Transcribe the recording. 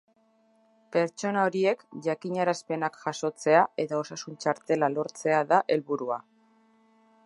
Pertsona horiek jakinarazpenak jasotzea eta osasun txartela lortzea da helburua.